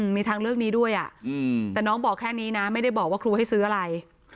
มีทางเลือกนี้ด้วยแต่น้องบอกแค่นี้นะไม่ได้บอกว่าครูให้ซื้ออะไร